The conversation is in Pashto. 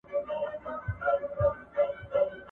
بس دا یوه شپه سره یوازي تر سبا به سو ..